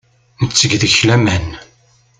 Netteg deg-k laman.